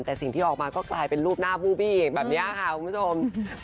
แต่สิ่งที่ออกมาก็กลายเป็นรูปหน้าผู้พี่แบบนี้ค่ะคุณผู้ชม